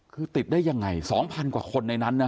คือติดได้ยังไง๒๐๐กว่าคนในนั้นนะ